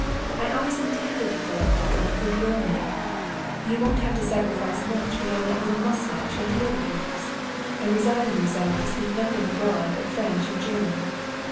I always intended to fill up that blank with your name. You won't have to sacrifice much beyond that little moustache and beard of yours, and resigning yourself to speak nothing abroad but French and German.